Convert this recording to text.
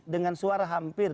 dengan suara hampir